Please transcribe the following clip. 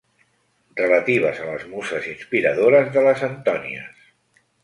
Relatives a les muses inspiradores de les Antònies.